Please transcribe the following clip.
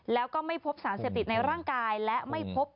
แล้วก็ไม่พบสารเสพติดในร่างกายและไม่พบ